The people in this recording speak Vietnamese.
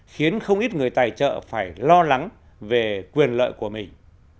khiến không ít người tài trợ phải lo lắng về quyền lợi của mình